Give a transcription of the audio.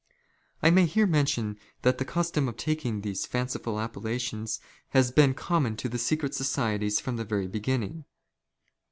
I may here mention that the custom of taking these fanciful appellations has been common to the secret societies from the very beginning.